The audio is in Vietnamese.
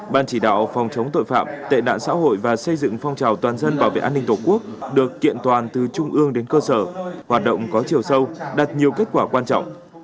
ban chỉ đạo phòng chống tội phạm tệ nạn xã hội và xây dựng phong trào toàn dân bảo vệ an ninh tổ quốc được kiện toàn từ trung ương đến cơ sở hoạt động có chiều sâu đạt nhiều kết quả quan trọng